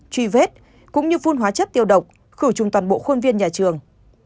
truy vết cũng như phun hóa chất tiêu độc khử trùng toàn bộ khuôn viên nhà trường